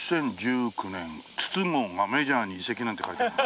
２０１９年筒香がメジャーに移籍なんて書いてあるな。